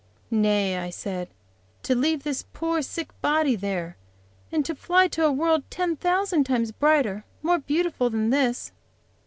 "Nay," I said, "to leave this poor sick body there, and to fly to a world ten thousand times brighter, more beautiful than this."